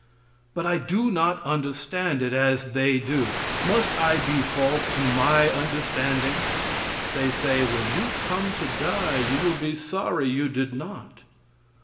But I do not understand it as they do. Must I be false to my understanding? They say: "When you come to die you will be sorry you did not."